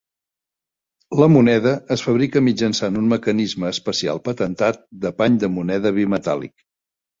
La moneda es fabrica mitjançant un mecanisme especial patentat de pany de moneda bimetàl·lic.